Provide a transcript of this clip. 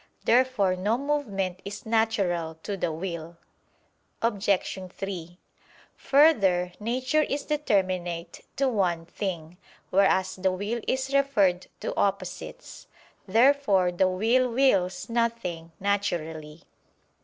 Therefore no movement is natural to the will. Obj. 3: Further, nature is determinate to one thing: whereas the will is referred to opposites. Therefore the will wills nothing naturally.